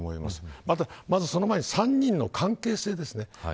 まずその前に３人の関係性です。